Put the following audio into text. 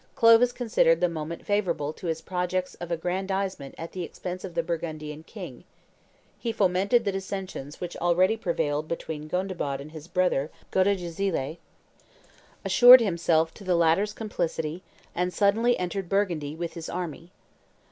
Clovis considered the moment favorable to his projects of aggrandizement at the expense of the Burgundian king; he fomented the dissensions which already prevailed between Gondebaud and his brother Godegisile, assured to himself the latter's complicity, and suddenly entered Burgundy with his army.